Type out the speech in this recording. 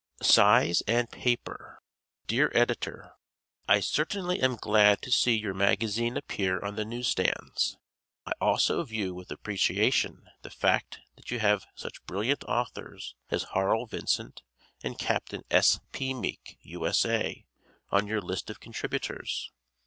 Size and Paper Dear Editor: I certainly am glad to see your magazine appear on the newsstands. I also view with appreciation the fact that you have such brilliant authors as Harl Vincent and Captain S. P. Meek, U. S. A., on your list of contributors.